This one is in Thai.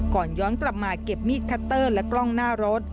ก่อนย้อนกลับมาเก็บมีดคัตเตอร์และกล้องหน้ารถ